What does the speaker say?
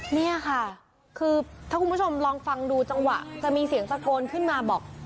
นี่ค่ะคือถ้าคุณผู้ชมลองฟังดูจังหวะจะมีเสียงตะโกนขึ้นมาบอก